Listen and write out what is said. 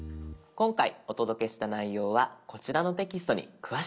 今回お届けした内容はこちらのテキストに詳しく載っています。